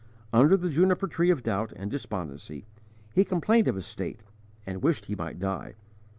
Under the juniper tree of doubt and despondency, he complained of his state and wished he might die.